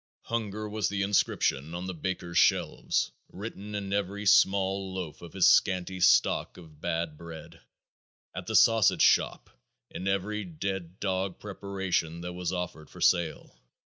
Hunger was the inscription on the baker's shelves, written in every small loaf of his scanty stock of bad bread; at the sausage shop, in every dead dog preparation that was offered for sale.